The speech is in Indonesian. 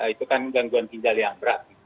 itu kan gangguan ginjal yang berat